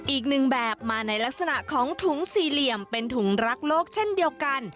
อีกหนึ่งแบบมาในลักษณะของถุงสี่เหลี่ยมเป็นถุงรักโลกเช่นเดียวกัน